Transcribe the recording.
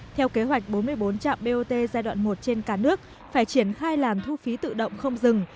theo kế hoạch bốn mươi bốn trạm bot giai đoạn một trên cả nước phải triển khai làn thu phí tự động không dừng